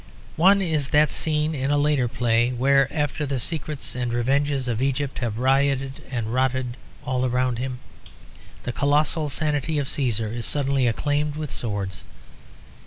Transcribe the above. One is that scene in a later play where after the secrets and revenges of Egypt have rioted and rotted all round him, the colossal sanity of Cæsar is suddenly acclaimed with swords.